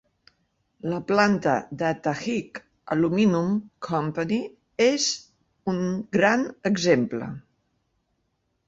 La planta de Tajik Aluminum Company és un gran exemple.